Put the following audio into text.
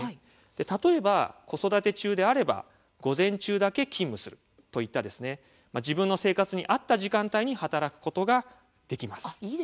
例えば、子育て中であれば午前中だけ勤務するといった自分の生活に合った時間帯に働くことができます。